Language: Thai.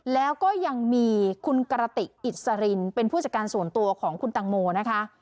แล้วก็ยังมีคุณกระติกอิสรินเป็นผู้จัดการส่วนตัวของคุณตังโมนะคะ